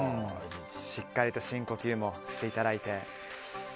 しっかりと深呼吸もしていただいて。